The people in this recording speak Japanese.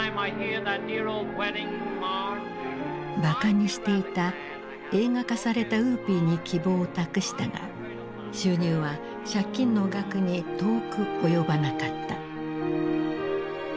ばかにしていた映画化された「ウーピー」に希望を託したが収入は借金の額に遠く及ばなかった。